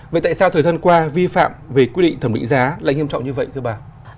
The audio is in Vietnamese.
vậy tại sao thời gian qua vi phạm về quy định thẩm định giá lại nghiêm trọng như vậy thưa bà